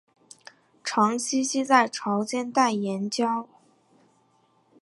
常栖息在潮间带岩礁。